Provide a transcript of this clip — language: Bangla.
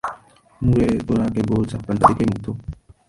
মুঢ়ে, তোরা কেবল চাপকানটা দেখেই মুগ্ধ!